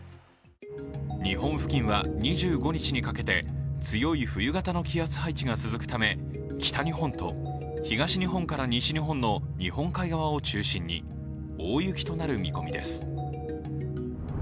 日本付近は２５日にかけて強い冬型の気圧配置が続くため北日本と東日本から西日本の日本海側を中心に大雪となる見込みです。